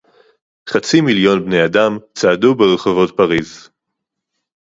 חצי מיליון בני אדם צעדו ברחובות פריס